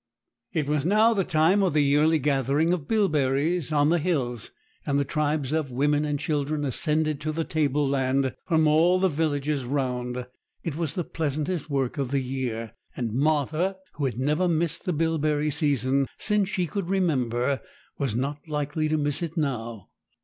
It was now the time of the yearly gathering of bilberries on the hills; and tribes of women and children ascended to the tableland from all the villages round. It was the pleasantest work of the year; and Martha, who had never missed the bilberry season since she could remember, was not likely to miss it now.